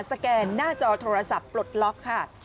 แกนหน้าจอโทรศัพท์ปลดล็อกค่ะ